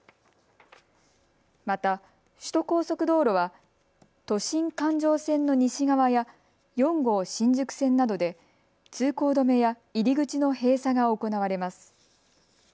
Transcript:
また、首都高速道路は都心環状線の西側や４号新宿線などで通行止めや入り口の閉鎖が行われます。